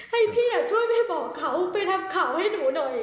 ให้พี่ช่วยไปบอกเขาไปทำข่าวให้หนูหน่อย